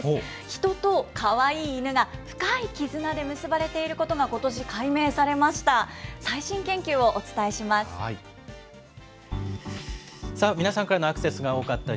ヒトとかわいいイヌが深い絆で結ばれていることが、ことし解明されました。